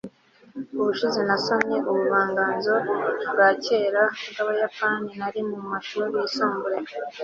ubushize nasomye ubuvanganzo bwa kera bw'abayapani nari mu mashuri yisumbuye